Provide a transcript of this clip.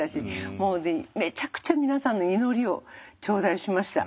もうめちゃくちゃ皆さんの祈りを頂戴しました。